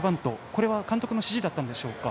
これは、監督の指示だったんでしょうか？